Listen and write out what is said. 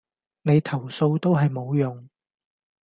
你投訴都係無用